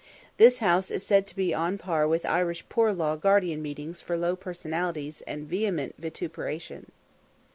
This House is said to be on a par with Irish poor law guardian meetings for low personalities and vehement vituperation.